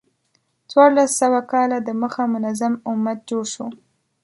څوارلس سوه کاله د مخه منظم امت جوړ شو.